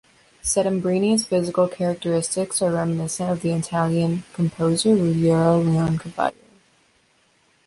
Settembrini's physical characteristics are reminiscent of the Italian composer Ruggiero Leoncavallo.